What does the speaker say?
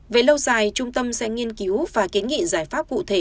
về lâu dài trung tâm sẽ nghiên cứu và kiến nghị giải pháp cụ thể